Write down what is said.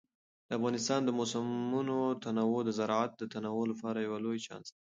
د افغانستان د موسمونو تنوع د زراعت د تنوع لپاره یو لوی چانس دی.